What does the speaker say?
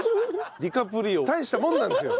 ディカプリオ大したもんなんですよ。